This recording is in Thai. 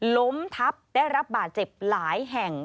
ล้มทับได้รับบาดเจ็บหลายแห่ง